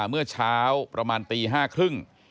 เมื่อเช้าประมาณตี๕๓๐